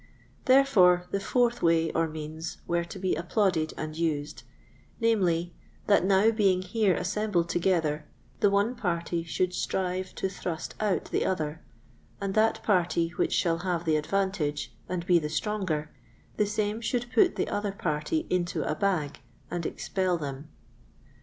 Therefore the fourth way or means were to be applauded and used, namely, that now being here assembled together, the one party should strive to thrust out the other, and that party which shall have the advantage, and be the stronger, the same should put the other party into a bag and expel them."